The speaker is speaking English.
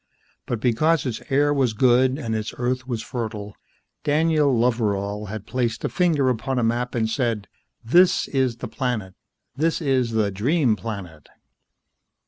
But because its air was good and its earth was fertile, Daniel Loveral had placed a finger upon a map and said, "This is the planet. This is the Dream Planet."